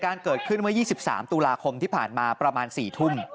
ครับดูสิครับดูสิ